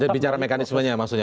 bicara mekanisme ya maksudnya